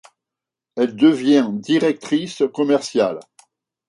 Elle devient directrice commerciale.